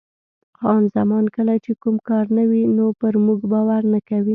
خان زمان: کله چې کوم کار نه وي نو پر موږ باور نه کوي.